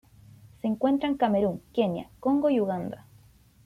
Se encuentra en Camerún, Kenia, Congo y Uganda.